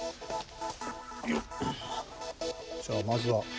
じゃあまずは。